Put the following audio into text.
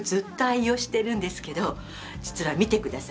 実は見てください。